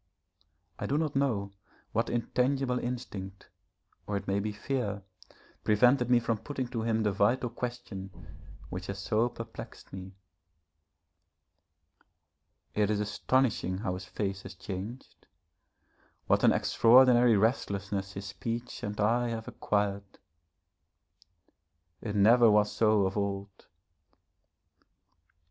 I do not know what intangible instinct, or it may be fear, prevented me from putting to him the vital question which has so perplexed me. It is astonishing how his face has changed, what an extraordinary restlessness his speech and eye have acquired. It never was so of old.